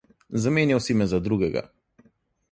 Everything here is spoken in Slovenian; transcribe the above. Zamenjal si me za drugega.